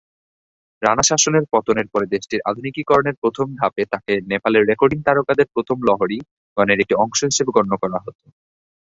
রানা শাসনের পতনের পরে দেশটির আধুনিকীকরণের প্রথম ধাপে তাঁকে "নেপালের রেকর্ডিং তারকাদের প্রথম লহরী"-গণের একটি অংশ হিসাবে গণ্য করা হত।